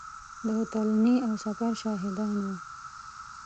د تلنې او سفر شاهدان وو.